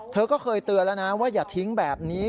เธอก็เคยเตือนแล้วนะว่าอย่าทิ้งแบบนี้